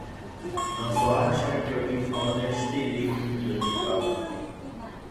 Noso axan yokinmonextilij n yolchipauakej.